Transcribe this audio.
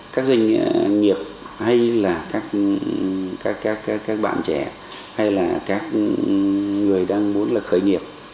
các doanh nghiệp hay các bạn trẻ hay các người đang muốn khởi nghiệp